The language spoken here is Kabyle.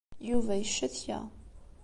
Yuba yeccetka.